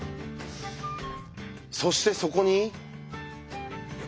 そしてそこに。